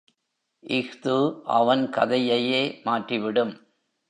இஃது அவன் கதையையே மாற்றிவிடும்.